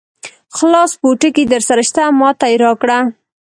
خلاص پوټکی درسره شته؟ ما ته یې راکړ.